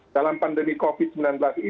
dalam pandemi covid sembilan belas ini